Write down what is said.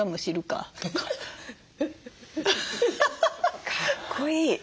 かっこいい。